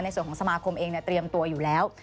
ในส่วนของสมาคมเองเรียมตัวอยู่แล้ว